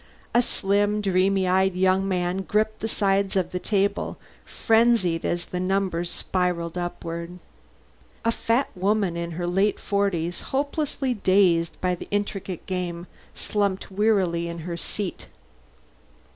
A slim, dreamy eyed young man gripped the sides of the table frenziedly as the numbers spiralled upward. A fat woman in her late forties, hopelessly dazed by the intricate game, slumped wearily in her seat.